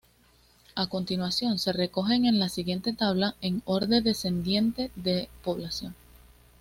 A continuación se recogen en la siguiente tabla, en orden descendiente de población.